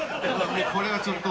これはちょっと。